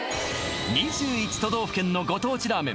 ２１都道府県のご当地ラーメン